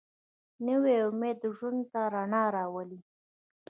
نوی امید ژوند ته رڼا راولي